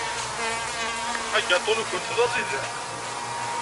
Agaṭu-nkent d aẓidan.